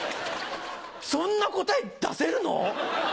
そんな答え出せるの？